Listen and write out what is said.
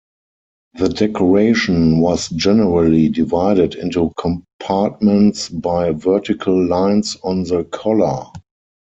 The decoration was generally divided into compartments by vertical lines on the collar.